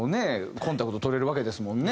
コンタクトを取れるわけですもんね